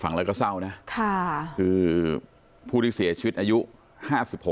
ฝั่งอะไรก็เศร้านะค่ะคือผู้ที่เสียชีวิตอายุ๕๖อ่ะ